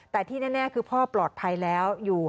แต่ที่แน่คือพ่อปลอดภัยแล้วอยู่